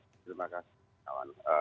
terima kasih kawan